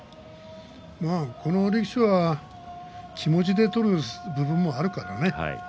この力士は気持ちで取る部分もあるからね。